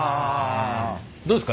どうですか？